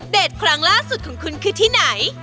ครั้งล่าสุดของคุณคือที่ไหน